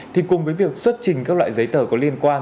thì cùng với việc xuất trình các loại giấy tờ có liên quan